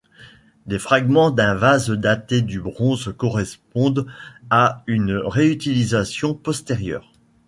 Des fragments d'un vase daté du Bronze correspondent à une réutilisation postérieure.